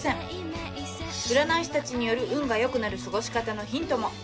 占い師たちによる運が良くなる過ごし方のヒントも。